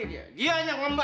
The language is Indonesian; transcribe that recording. bantuin claim nya jelek